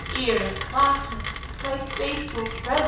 "Iravata! my faithful friend!"